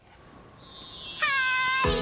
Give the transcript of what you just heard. はい！